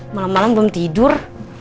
malem malem belum tidur